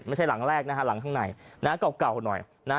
ไม่ใช่หลังแรกนะฮะหลังข้างในเก่าหน่อยนะฮะ